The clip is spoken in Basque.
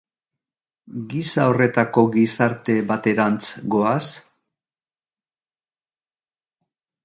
Gisa horretako gizarte baterantz goaz?